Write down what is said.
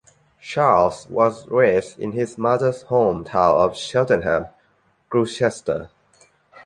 Charles was raised in his mother's home town of Cheltenham, Gloucester.